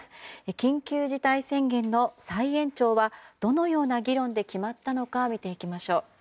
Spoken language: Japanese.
緊急事態宣言の再延長はどのような議論で決まったのか見ていきましょう。